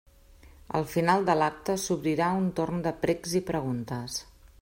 Al final de l'acte s'obrirà un torn de precs i preguntes.